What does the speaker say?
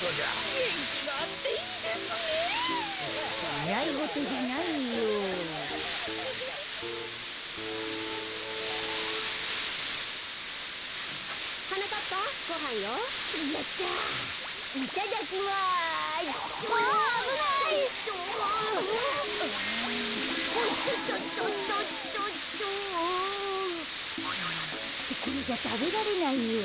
あぁってこれじゃたべられないよ。